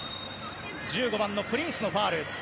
１５番のプリンスのファウル。